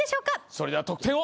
それでは得点を。